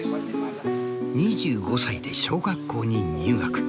２５歳で小学校に入学。